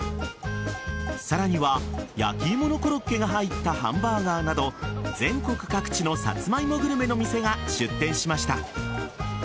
さらには焼き芋のコロッケが入ったハンバーガーなど全国各地のサツマイモグルメの店が出店しました。